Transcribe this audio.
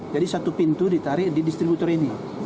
jadi satu pintu ditarik di distributor ini